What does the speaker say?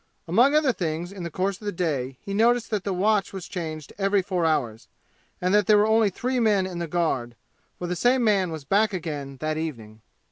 Among other things in the course of the day he noticed that the watch was changed every four hours and that there were only three men in the guard, for the same man was back again that evening.